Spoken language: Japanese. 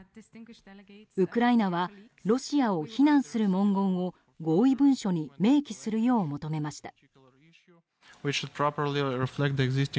ウクライナはロシアを非難する文言を合意文書に明記するよう求めました。